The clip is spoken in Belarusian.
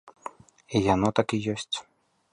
І яно так і ёсць.